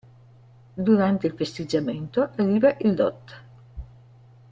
Durante il festeggiamento arriva il dott.